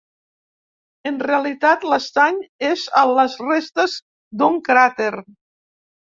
En realitat l'estany és a les restes d'un cràter.